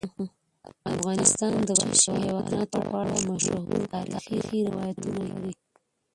افغانستان د وحشي حیواناتو په اړه مشهور تاریخی روایتونه لري.